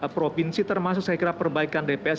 provinsi termasuk saya kira perbaikan dps